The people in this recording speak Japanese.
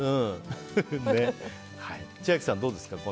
千秋さん、どうですか。